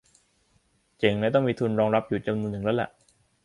เจ๋งและต้องมีทุนรองรังอยู่จำนวนหนึ่งแล้วล่ะ